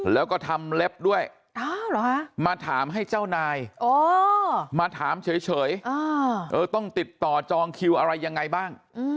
แล้วก็ทำเล็บด้วยมาถามให้เจ้านายมาถามเฉยต้องติดต่อจองคิวอะไรยังไงบ้าง